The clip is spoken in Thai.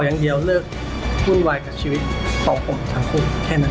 อย่างเดียวเลิกวุ่นวายกับชีวิตของผมทั้งคู่แค่นั้น